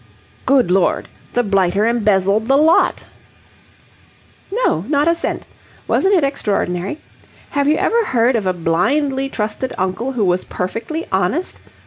"Good Lord! The blighter embezzled the lot?" "No, not a cent. Wasn't it extraordinary! Have you ever heard of a blindly trusted uncle who was perfectly honest?